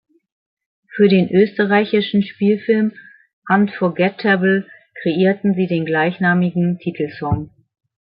Für den österreichischen Spielfilm "Unforgettable" kreierten sie den gleichnamigen Titelsong.